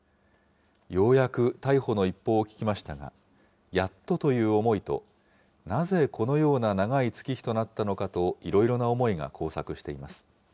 ようやく逮捕の一報を聞きましたが、やっとという思いと、なぜこのような長い月日となったのかといろいろな思いが交錯しています。